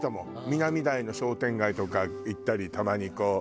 南台の商店街とか行ったりたまにこう。